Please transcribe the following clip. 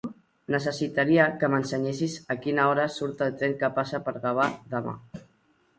Necessitaria que m'ensenyessis a quina hora surt el tren que passa per Gavà demà.